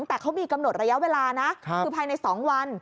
แต่เขามีกำหนดระยะเวลานะคือภายใน๒วัน